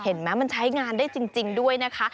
เห็นไหมมันใช้งานได้จริงด้วยนะคะ